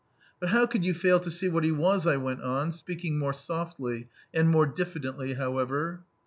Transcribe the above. "But how could you fail to see what he was," I went on, speaking more softly and more diffidently, however.